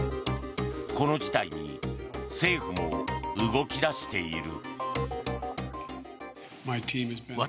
この事態に政府も動き出している。